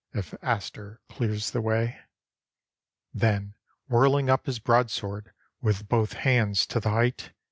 If Astur clears the way ?" Then, whirling up his broadsword With both hands to the height.